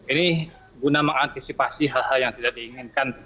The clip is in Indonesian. ini guna mengantisipasi hal hal yang tidak diinginkan